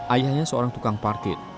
ayahnya seorang tukang partit